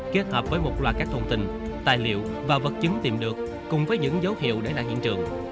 kết hợp với một loạt các thông tin tài liệu và vật chứng tìm được cùng với những dấu hiệu để lại hiện trường